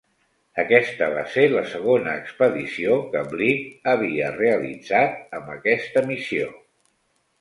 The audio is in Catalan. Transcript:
Aquesta va ser la segona expedició que Bligh havia realitzat amb aquesta missió.